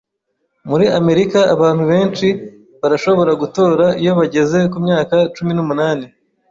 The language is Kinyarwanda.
Muri Amerika, abantu benshi barashobora gutora iyo bageze kumyaka cumi n'umunani.